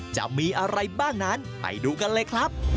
จะมีอะไรบ้างนั้นไปดูกันเลยครับ